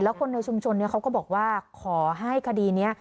คนในชุมชนเขาก็บอกว่าขอให้คดีนี้